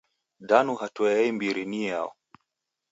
Danu hatua ya imbiri ni iyao?